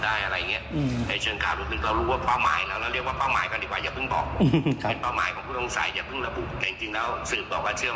โดยเฉพาะปืนน่าจะเป็นปืนขนาดกลาง